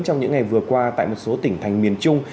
trong những ngày vừa qua tại một số tỉnh thành miền trung